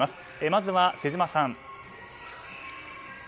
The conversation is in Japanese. まずは瀬島さん。